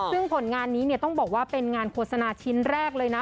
ซึ่งผลงานนี้เนี่ยต้องบอกว่าเป็นงานโฆษณาชิ้นแรกเลยนะ